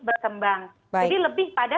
berkembang jadi lebih pada